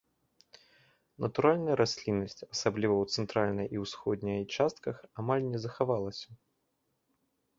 Натуральная расліннасць, асабліва ў цэнтральнай і ўсходняй частках, амаль не захавалася.